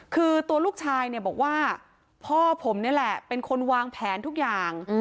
คือตัวลูกชายเนี่ยบอกว่าพ่อผมนี่แหละเป็นคนวางแผนทุกอย่าง